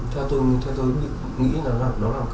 theo tôi nghĩ là